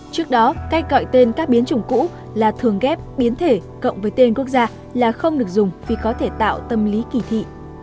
trước đó cách gọi tên các biến chủng cũ là thường ghép biến thể cộng với tên quốc gia là không được dùng vì có thể tạo tâm lý kỳ thị